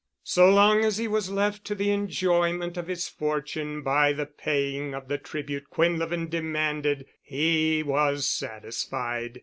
So long as he was left to the enjoyment of his fortune by the paying of the tribute Quinlevin demanded, he was satisfied.